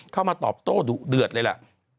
เข้ามาตอบโต้ดุเดือดเลยล่ะ